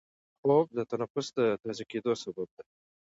خوب د نفس د تازه کېدو سبب دی